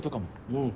うん。